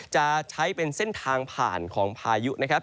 จะใช้เป็นเส้นทางผ่านของพายุนะครับ